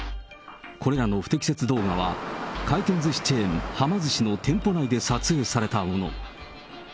これらの不適切動画は、回転ずしチェーン、はま寿司の店舗内で撮影されたもの。